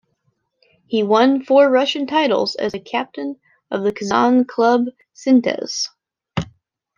He won four Russian titles as a captain of the Kazan club Sintez.